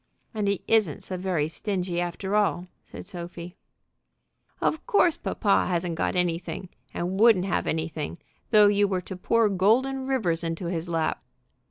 "And he isn't so very stingy, after all," said Sophie. "Of course papa hasn't got anything, and wouldn't have anything, though you were to pour golden rivers into his lap."